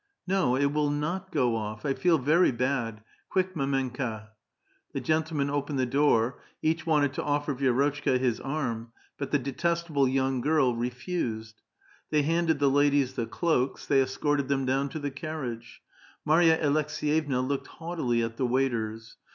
" No, it will not go off ; I feel very bad ; quick, mdmenka !" The gentlemen opened the door ; each wanted to offer Vi^rotchka his arm, but the detestable young girl refused. They handed the ladies the cloaks ; they escorted them down to the caiTiage. Marya Aleks^yevna looked haughtily at the waiters.